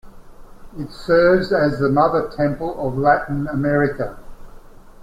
It serves as the mother temple of Latin America.